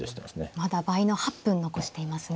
まだ倍の８分残していますね